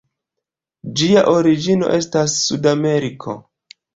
Ĝia origino estas Sudameriko.